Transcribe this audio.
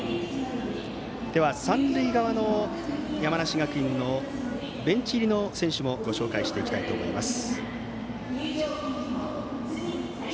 三塁側の山梨学院のベンチ入りの選手もご紹介していきたいと思います。